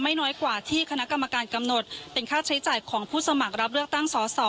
น้อยกว่าที่คณะกรรมการกำหนดเป็นค่าใช้จ่ายของผู้สมัครรับเลือกตั้งสอสอ